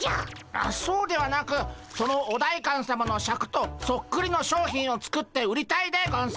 そうではなくそのお代官さまのシャクとそっくりの商品を作って売りたいでゴンス。